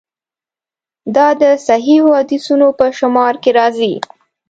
دا د صحیحو حدیثونو په شمار کې راځي.